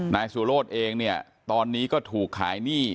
นายสุโรธเองเนี่ยตอนนี้ก็ถูกขายหนี้